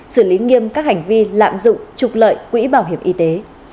xử lý nghiêm các hành vi lạm dụng trục lợi quỹ bảo hiểm y tế